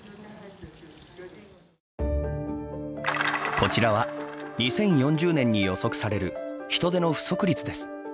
こちらは２０４０年に予測される人手の不足率です。